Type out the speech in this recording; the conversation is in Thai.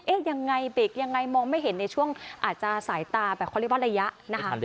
ยังไงเบรกยังไงมองไม่เห็นในช่วงอาจจะสายตาแบบเขาเรียกว่าระยะนะคะ